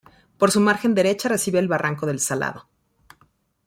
Por su margen derecha recibe el barranco del Salado.